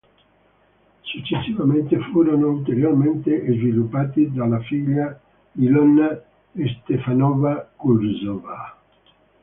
Successivamente furono ulteriormente sviluppati dalla figlia Ilona Štěpánová-Kurzová.